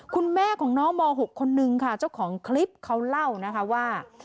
คุณแม่ของน้องม๖คนนึงค่ะเจ้าของคลิปเขาเล่านะคะว่า